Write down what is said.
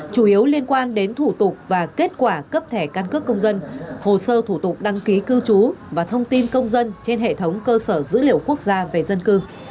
chủ yếu liên quan đến thủ tục và kết quả cấp thẻ căn cước công dân hồ sơ thủ tục đăng ký cư trú và thông tin công dân trên hệ thống cơ sở dữ liệu quốc gia về dân cư